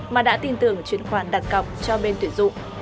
mà đã tin tưởng chuyển khoản đặt cọc cho bên tuyển dụng